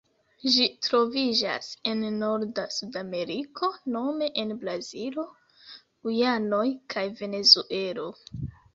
Ĝi troviĝas en norda Sudameriko nome en Brazilo, Gujanoj kaj Venezuelo.